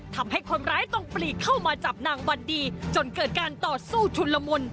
ทำให้คนร้ายต้องปลีกเข้ามาจับนางวันดีจนเกิดการต่อสู้ชุนละมุน